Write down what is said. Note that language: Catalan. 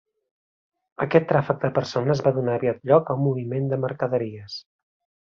Aquest tràfec de persones va donar aviat lloc a un moviment de mercaderies.